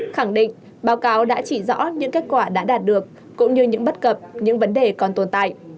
khẳng định báo cáo đã chỉ rõ những kết quả đã đạt được cũng như những bất cập những vấn đề còn tồn tại